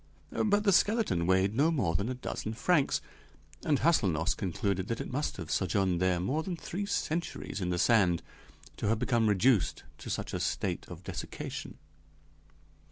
But the skeleton weighed no more than a dozen francs, and Hâselnoss concluded that it must have sojourned more than three centuries in the sand to have become reduced to such a state of desiccation.